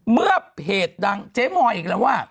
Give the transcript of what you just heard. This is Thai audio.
เมื่อเพจดังเจ๊มอยอีกแล้วว่า